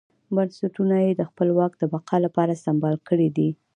بنسټونه یې د خپل واک د بقا لپاره سمبال کړي دي.